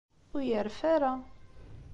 Ur yerfi ara.